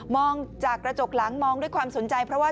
จากกระจกหลังมองด้วยความสนใจเพราะว่า